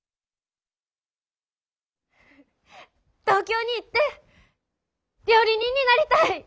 東京に行って料理人になりたい。